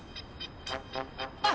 あっ。